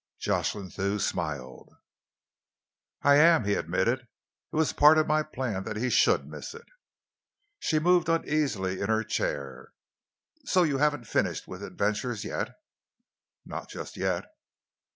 Jocelyn Thew smiled. "I am," he admitted. "It was part of my plan that he should miss it." She moved uneasily in her chair. "So you haven't finished with adventures yet?" "Not just yet."